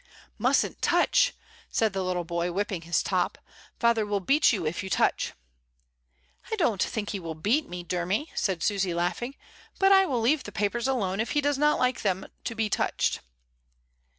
"Mustn't touch," said the little boy, whipping his top. "Father will beat you if you touch." "I don't think he will beat me, Dermy," said Susy, laughing; "but I will leave the papers alone if he does not like them to be touched."